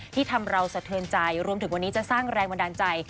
ที่ทำเราสะเทินใจรวมถึงวันนี้จะสร้างแรงบันดาลใจ